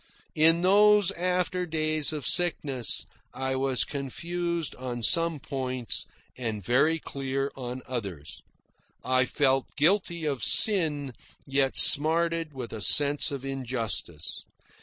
In those after days of sickness, I was confused on some points, and very clear on others. I felt guilty of sin, yet smarted with a sense of injustice.